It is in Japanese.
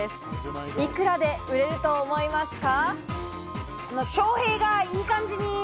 いくらで売れると思いますか？